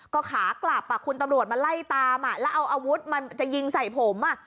ก็ขากลับคุณตำรวจมาไล่ตามแล้วเอาอาวุธมาจะยิงใส่ผมอ่ะ